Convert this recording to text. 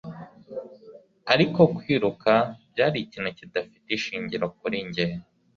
Ariko kwiruka byari ikintu kidafite ishingiro kuri njye